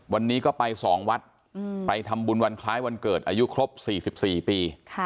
วันนี้ก็ไป๒วัดไปทำบุญวันคล้ายวันเกิดอายุครบ๔๔ปี